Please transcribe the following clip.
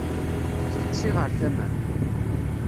Steqsi ɣer tama-m.